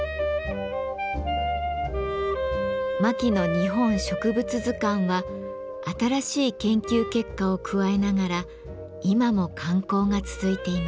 「牧野日本植物図鑑」は新しい研究結果を加えながら今も刊行が続いています。